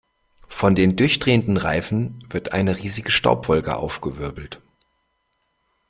Von den durchdrehenden Reifen wird eine riesige Staubwolke aufgewirbelt.